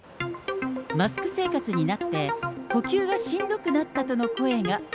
マスク生活になって、呼吸がしんどくなったとの声が。